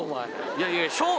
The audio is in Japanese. いやいや